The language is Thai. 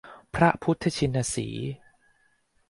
พระพุทธชินสีห์